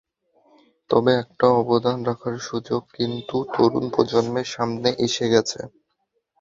তবে একটা অবদান রাখার সুযোগ কিন্তু তরুণ প্রজন্মের সামনে এসে গেছে।